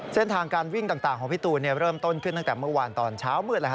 เส้นทางการวิ่งต่างของพี่ตูนเริ่มต้นขึ้นตั้งแต่เมื่อวานตอนเช้ามืด